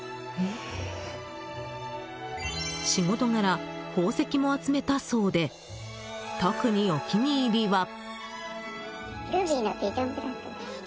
仕事柄、宝石も集めたそうで特にお気に入りは。